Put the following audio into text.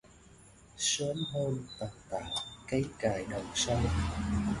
Sớm hôm tần tảo cấy cày đồng sâu